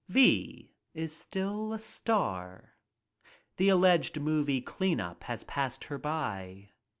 V is still a star. The alleged movie "clean up" has passed her by.